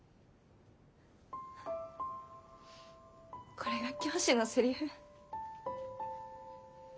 これが教師のセリフ？